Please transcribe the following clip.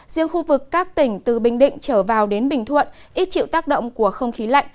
riêng khu vực các tỉnh từ bình định trở vào đến bình thuận ít chịu tác động của không khí lạnh